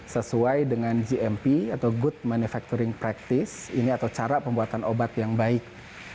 sesuai dengan gmp atau good manufacturing practice ini atau cara pembuatan obat yang baik